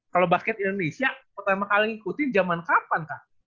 kalau basket indonesia pertama kali ngikutin zaman kapan kak